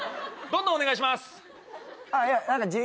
どんどんお願いします。